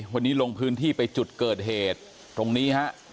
วันนี้ลงพื้นที่ไปจุดเกิดเหตุตรงนี้ฮะ